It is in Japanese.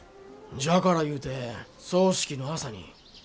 じゃからいうて葬式の朝に。